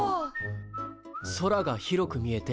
空が広く見えて。